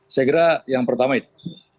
saya kira yang pertama itu